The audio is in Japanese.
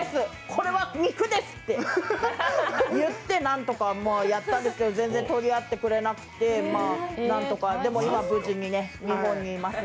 これは肉です！って言ってなんとかやったんですけど全然取り合ってくれなくてでも、まあ無事に今、日本にいます。